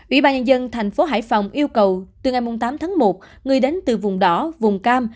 ủy ban nhân dân thành phố hải phòng yêu cầu từ ngày tám tháng một người đến từ vùng đỏ vùng cam